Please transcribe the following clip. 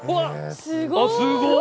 すごい！